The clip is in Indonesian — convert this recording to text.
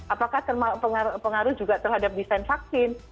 apakah pengaruh juga terhadap desain vaksin